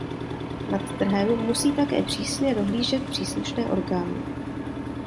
Nad trhem musí také přísně dohlížet příslušné orgány.